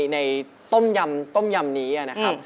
ในต้มยำนี้นะครับ